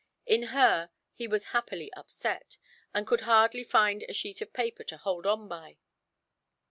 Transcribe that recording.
In her he was happily upset, and could hardly find a sheet of paper to hold on by.